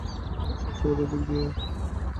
স্বাস্থ্যগত দিক দিয়ে?